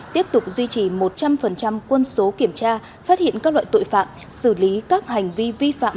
tiếp tục duy trì một trăm linh quân số kiểm tra phát hiện các loại tội phạm xử lý các hành vi vi phạm